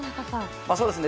そうですね。